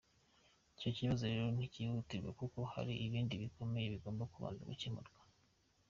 Icyo kibazo rero nticyihutirwa kuko hari ibindi bikomeye, bigomba kubanza gukemurwa.